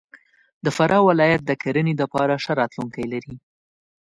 د فراه ولایت د کرهنې دپاره ښه راتلونکی لري.